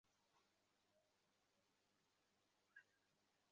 আমি যখন ওদের মুখের কাছে আঙুল ধরতাম, তখনই কাছে চলে আসত।